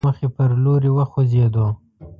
د خپلې موخې پر لوري وخوځېدو.